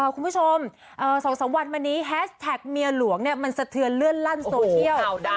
คุณผู้ชม๒๓วันมานี้แฮชแท็กเมียหลวงมันสะเทือนเลื่อนลั่นโซเชียล